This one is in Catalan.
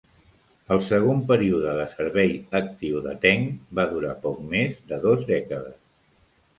El segon període de servei actiu de "Tench" va durar poc més de dos dècades.